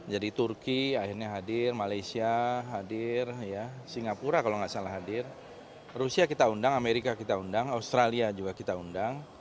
jadi turki akhirnya hadir malaysia hadir singapura kalau tidak salah hadir rusia kita undang amerika kita undang australia juga kita undang